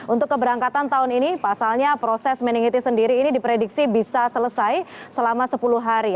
untuk keberangkatan tahun ini pasalnya proses meningitis sendiri ini diprediksi bisa selesai selama sepuluh hari